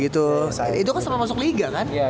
itu kan sama masuk liga kan